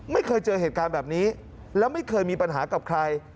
ไม่เคยเจอเหตุการณ์แบบนี้แล้วไม่เคยมีปัญหากับใคร